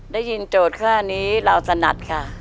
ได้ยินโจทย์ค่ะอันนี้เราสนัดค่ะ